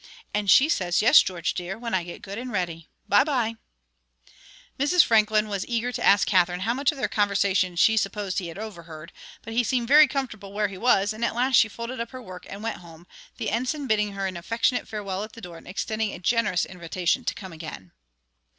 and she says: 'Yes, George, dear, when I get good and ready bye bye!'" Mrs. Franklin was eager to ask Katherine how much of their conversation she supposed he had overheard, but he seemed very comfortable where he was, and at last she folded up her work and went home, the Ensign bidding her an affectionate farewell at the door and extending a generous invitation to "come again."